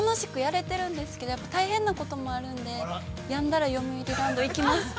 やっぱり大変なこともあるので病んだらよみうりランドに行きます。